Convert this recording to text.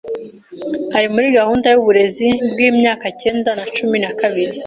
Ari muri gahunda y’uburezi bw’imyaka cyenda na cumi na kabiri